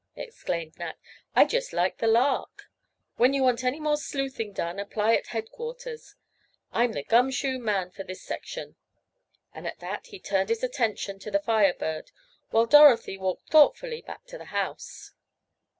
exclaimed Nat. "I just like the lark. When you want any more sleuthing done apply at headquarters. I'm the gum shoe man for this section," and at that he turned his attention to the Fire Bird, while Dorothy walked thoughtfully back to the house.